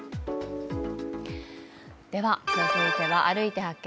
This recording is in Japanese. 続いては「歩いて発見！